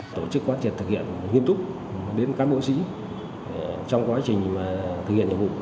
tổ chức quan trọng thực hiện nghiêm túc đến các bộ sĩ trong quá trình thực hiện nhiệm vụ